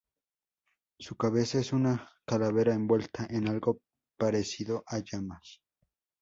Su cabeza es una calavera envuelta en algo parecido a llamas.